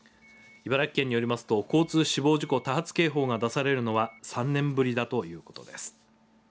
茨城県によりますと交通死亡事故多発警報が出されるのは３年ぶりだということです。